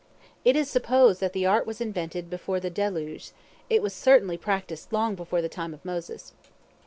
It is supposed that the art was invented before the Deluge: it was certainly practised long before the time of Moses.